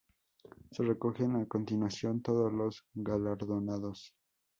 Se recogen a continuación todos los galardonados.